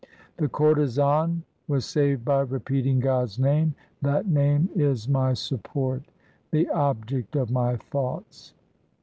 The courtesan was saved by repeating God's name ; that name is my support, the object of my thoughts.